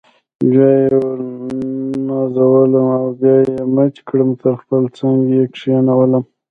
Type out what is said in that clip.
بیا یې ونازولم او بیا یې مچ کړم تر خپل څنګ یې کښېنولم.